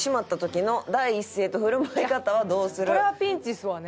これはピンチですわね。